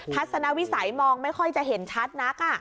ทัศนวิสัยมองไม่ค่อยจะเห็นชัดนัก